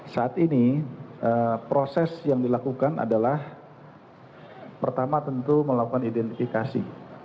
saat ini proses yang dilakukan adalah pertama tentu melakukan identifikasi